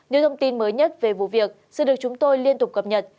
nếu thông tin mới nhất về vụ việc sẽ được chúng tôi liên tục cập nhật